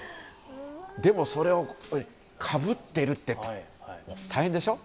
でも、それをかぶっているって大変でしょう？